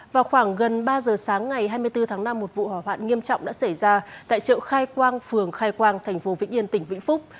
vào khoảng gần ba giờ sáng ngày hai mươi bốn tháng năm một vụ hỏa hoạn nghiêm trọng đã xảy ra tại chợ khai quang phường khai quang thành phố vĩnh yên tỉnh vĩnh phúc